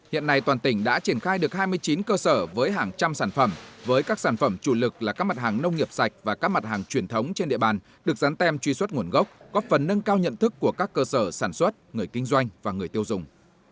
hiện nay toàn tỉnh đã triển khai được hai mươi chín cơ sở với hàng trăm sản phẩm với các sản phẩm chủ lực là các mặt hàng nông nghiệp sạch và các mặt hàng truyền thống trên địa bàn được dán tem truy xuất nguồn gốc góp phần nâng cao nhận thức của các cơ sở sản xuất người kinh doanh và người tiêu dùng